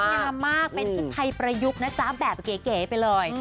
งามมากเป็นชุดไทยประยุกต์นะจ๊ะแบบเก๋ไปเลย